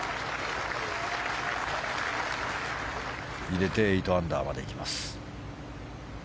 入れて８アンダーまで行きます。